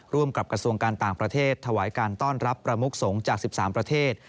ร่วมกับกระทรวงการต่างประเทศถวายการต้อนรับประมุกสงฆ์จาก๑๓ประเทศ